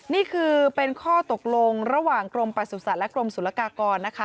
นี่คือเป็นข้อตกลงระหว่างกรมประสุทธิ์และกรมศุลกากรนะคะ